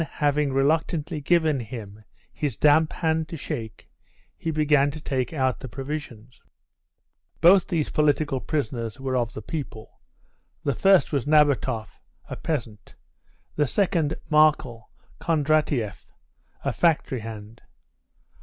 Then, having reluctantly given him his damp hand to shake, he began to take out the provisions. Both these political prisoners were of the people; the first was Nabatoff, a peasant; the second, Markel Kondratieff, a factory hand.